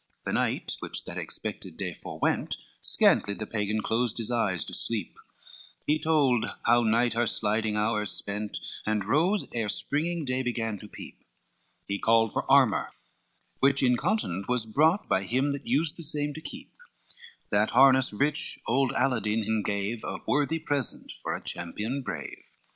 LI The night which that expected day forewent, Scantly the Pagan closed his eyes to sleep, He told how night her sliding hours spent, And rose ere springing day began to peep; He called for armor, which incontinent Was brought by him that used the same to keep, That harness rich old Aladine him gave, A worthy present for a champion brave.